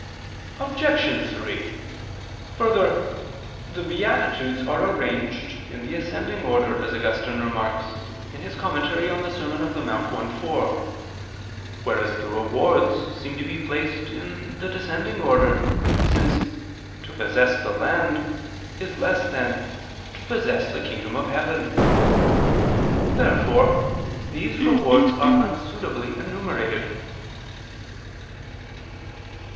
Obj. 3: Further, the beatitudes are arranged in the ascending order, as Augustine remarks (De Serm. Dom. in Monte i, 4): whereas the rewards seem to be placed in the descending order, since to "possess the land" is less than to possess "the kingdom of heaven." Therefore these rewards are unsuitably enumerated.